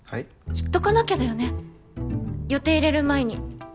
言っとかなきゃだよね予定入れる前に。